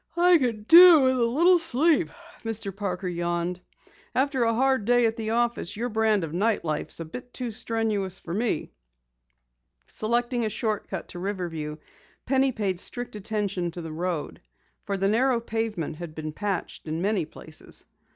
"I could do with a little sleep," Mr. Parker yawned. "After a hard day at the office, your brand of night life is a bit too strenuous for me." Selecting a short cut route to Riverview, Penny paid strict attention to the road, for the narrow pavement had been patched in many places.